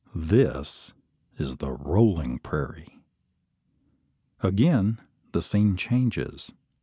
This is the "rolling prairie." Again the scene changes.